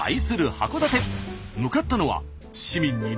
函館。